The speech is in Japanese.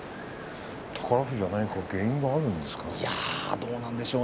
宝富士は何か原因があるんですか。